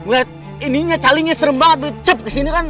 liat ini calingnya serem banget